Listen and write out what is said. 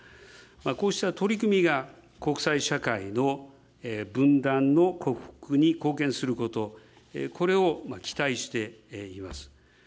こうした取り組みが、国際社会の分断の克服に貢献すること、これを期待しています。